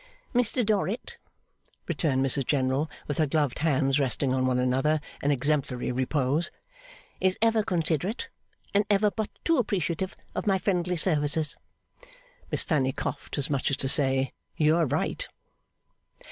'Mr Dorrit,' returned Mrs General, with her gloved hands resting on one another in exemplary repose, 'is ever considerate, and ever but too appreciative of my friendly services.' (Miss Fanny coughed, as much as to say, 'You are right.